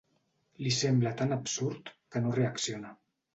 Li sembla tan absurd que no reacciona.